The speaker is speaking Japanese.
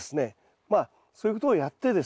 まあそういうことをやってですね